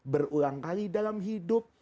berulang kali dalam hidup